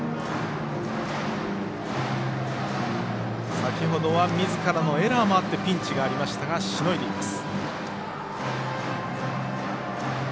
先ほどはみずからのエラーもあってピンチがありましたがしのいでいます。